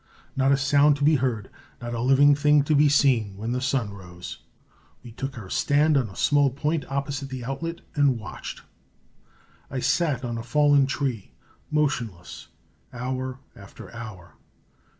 Not a sound to be heard, not a living thing to be seen, when the sun rose. We took our stand on a small point opposite the outlet and watched. I sat on a fallen tree motionless, hour after hour.